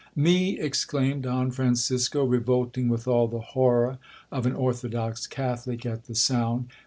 '—'Me!' exclaimed Don Francisco, revolting with all the horror of an orthodox Catholic at the sound.